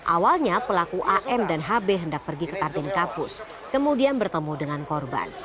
awalnya pelaku am dan hb hendak pergi ke kantin kampus kemudian bertemu dengan korban